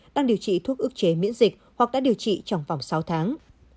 đang điều trị thuốc ức chế miễn dịch hoặc đã điều trị trong vòng sáu tháng